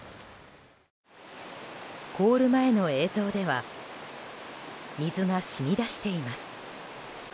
凍る前の映像では水が染み出しています。